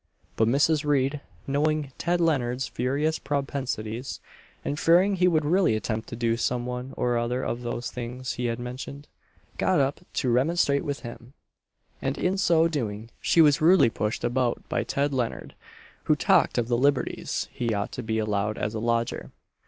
But Mrs. Reid knowing Ted Leonard's furious propensities, and fearing he would really attempt to do some one or other of those things he had mentioned got up to remonstrate with him; and in so doing she was rudely pushed about by Ted Leonard, who talked of the liberties he ought to be allowed as a lodger.